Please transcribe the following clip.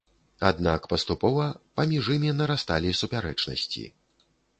Аднак паступова паміж імі нарасталі супярэчнасці.